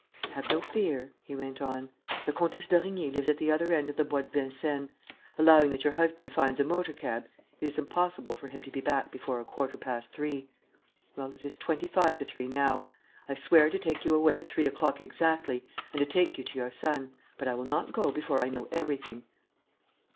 "Have no fear," he went on. "The Comtesse d'Origny lives at the other end of the Bois de Vincennes. Allowing that your husband finds a motor cab, it is impossible for him to be back before a quarter past three. Well, it is twenty five to three now. I swear to take you away at three o'clock exactly and to take you to your son. But I will not go before I know everything."